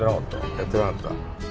やってなかった。